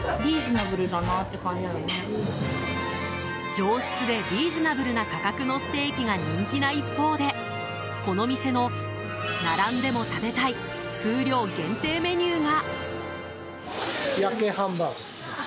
上質でリーズナブルな価格のステーキが人気な一方でこの店の並んでも食べたい数量限定メニューが。